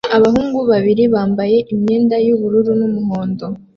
Abahungu babiri bambaye imyenda yubururu n'umuhondo